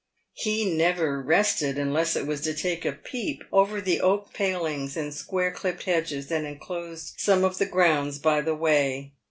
He never rested unless it was to take a peep over the oak palings and square clipped hedges that enclosed some of the grounds by the way.